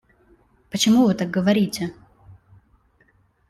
Почему Вы так говорите?